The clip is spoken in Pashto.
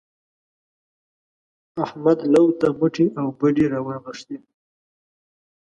احمد لو ته مټې او بډې راونغښتې.